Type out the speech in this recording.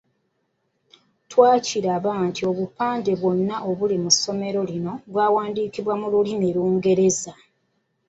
Twakiraba nti obupande bwonna obuli mu ssomero lino bwawandiikibwako mu lulimi Lungereza.